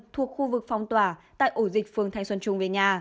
thuộc khu vực phong tỏa tại ổ dịch phường thanh xuân trung về nhà